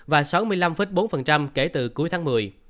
và sáu mươi năm bốn kể từ cuối tháng một mươi